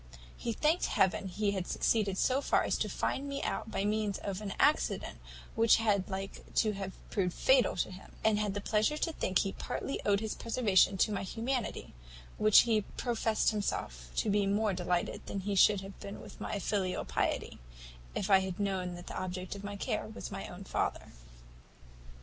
He thanked Heaven he had succeeded so far as to find me out by means of an accident which had like to have proved fatal to him; and had the pleasure to think he partly owed his preservation to my humanity, with which he profest himself to be more delighted than he should have been with my filial piety, if I had known that the object of all my care was my own father.